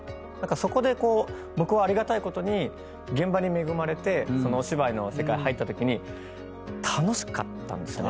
そこで僕はありがたいことに現場に恵まれてお芝居の世界入ったときに楽しかったんですよね。